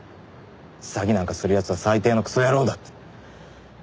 詐欺なんかする奴は最低のクソ野郎だって。